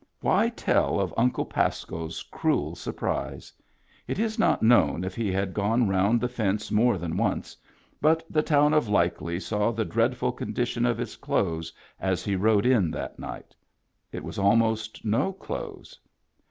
Why tell of Uncle Pasco's cruel surprise ? It is not known if he had gone round the fence more than once ; but the town of Likely saw the dreadful condition of his clothes as he rode in that night It was almost no clothes.